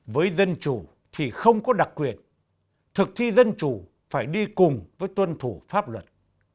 với dân chủ thì không có đặc quyền thực thi dân chủ phải đi cùng với tuân thủ pháp luật